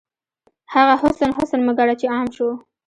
هغه حسن، حسن مه ګڼه چې عام شو